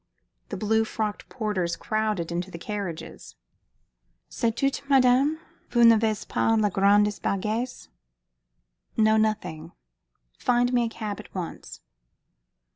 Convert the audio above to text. The blue frocked porters crowded into the carriages. "C'est tout, madame? Vous n'avez pas de grands bagages?" "No, nothing. Find me a cab at once."